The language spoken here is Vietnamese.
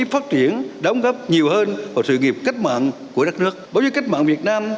phát triển đóng góp nhiều hơn vào sự nghiệp cách mạng của đất nước báo chí cách mạng việt nam